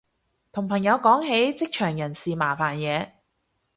同朋友講起職場人事麻煩嘢